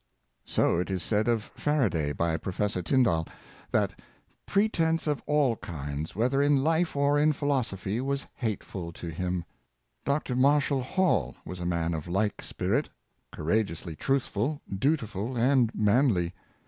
So it is said of Faraday by Professor Tyndall, that " pretense of all kinds, whether in life or in philosophy, was hateful to him." Dr. Marshall Hall was a man of like spirit — courageously truthful, dutiful, and manly.